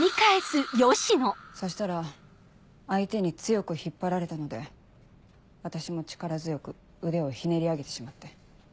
そしたら相手に強く引っ張られたので私も力強く腕をひねり上げてしまって。